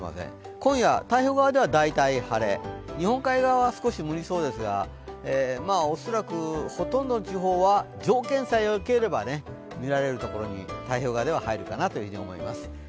今夜、太平洋側では大体晴れ、日本海側は少し無理そうですが、恐らく、ほとんどの地方は条件さえ良ければ見られるところに太平洋側では入るかなと思います。